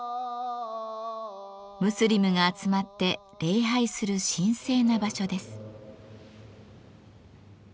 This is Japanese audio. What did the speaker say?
ムスリムが集まって礼拝する神聖な場所です。